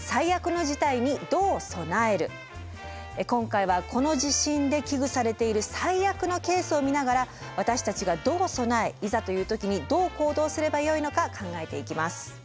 今回はこの地震で危惧されている最悪のケースを見ながら私たちがどう備えいざという時にどう行動すればよいのか考えていきます。